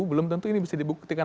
belum tentu ini bisa dibuktikan